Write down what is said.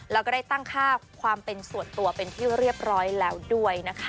แล้วก็ได้ตั้งค่าความเป็นส่วนตัวเป็นที่เรียบร้อยแล้วด้วยนะคะ